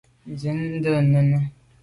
Zin nde nène.